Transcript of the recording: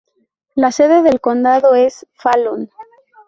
La sede del condado es Fallon.